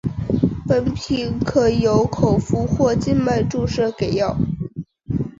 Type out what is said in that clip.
本品可由口服或静脉注射给药。